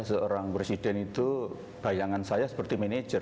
seorang presiden itu bayangan saya seperti manajer